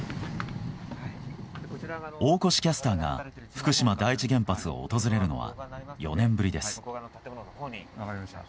大越キャスターが福島第一原発を訪れるのは４年ぶりです。